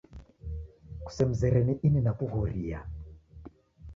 Kusemzere ni ini nakughoria.